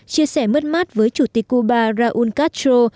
chia sẻ mất mát với chủ tịch cuba raúl castro